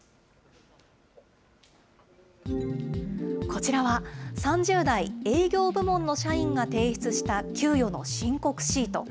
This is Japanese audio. こちらは、３０代営業部門の社員が提出した、給与の申告シート。